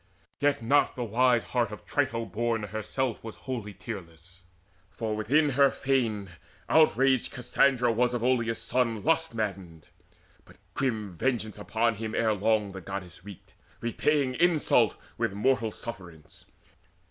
Yet not the wise heart Trito born herself Was wholly tearless; for within her fane Outraged Cassandra was of Oileus son Lust maddened. But grim vengeance upon him Ere long the Goddess wreaked, repaying insult With mortal sufferance.